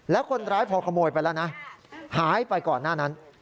แล้วคนร้ายพอขโมยไปแล้วนะหายไปก่อนหน้านั้น